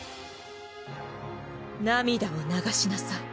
涙を流しなさい。